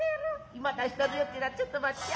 今出したるよってなちょっと待ってや。